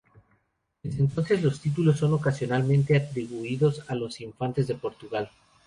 Desde entonces los títulos son ocasionalmente atribuidos a los infantes de Portugal.